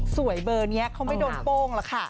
สวยเบอร์นี้เขาไม่โดนโป้งหรอกค่ะ